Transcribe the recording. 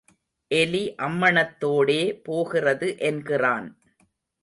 எலி அம்மணத்தோடே போகிறது என்கிறான்.